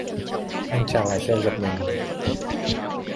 Anh chàng lái xe giật mình